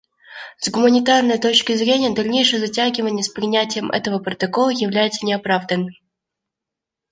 С гуманитарной точки зрения, дальнейшее затягивание с принятием этого протокола является неоправданным.